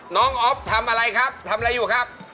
อ๊อฟทำอะไรครับทำอะไรอยู่ครับ